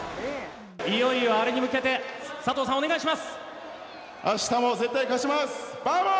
いよいよ「アレ」に向けて、佐藤さんお願いします。